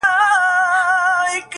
څه پوښتې چي شعر څه شاعري څنگه~